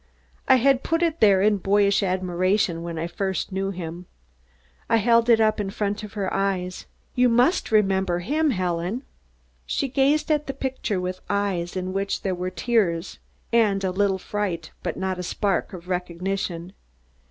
I had put it there in boyish admiration when I first knew him. I held it up in front of her eyes. "You must remember him, Helen!" She gazed at the picture with eyes in which there were tears and a little fright, but not a spark of recognition.